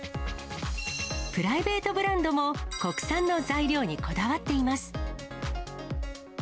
プライベートブランドも国産の材料にこだわっています。